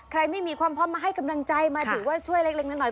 ไม่มีความพร้อมมาให้กำลังใจมาถือว่าช่วยเล็กน้อย